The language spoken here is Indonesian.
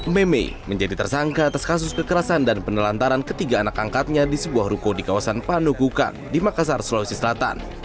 meme menjadi tersangka atas kasus kekerasan dan penelantaran ketiga anak angkatnya di sebuah ruko di kawasan panukukang di makassar sulawesi selatan